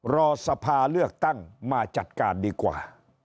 รอสภาเลือกตั้งมาจัดการดีกว่า